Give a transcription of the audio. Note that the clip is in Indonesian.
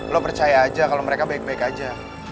lo percaya aja kalau mereka baik baik aja